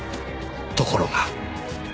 ところが。